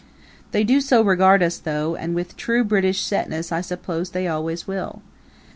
They do so regard us, though; and, with true British setness, I suppose they always will.